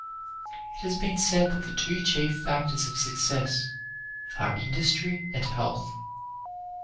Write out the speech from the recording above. It has been said that the two chief factors of success are industry and health.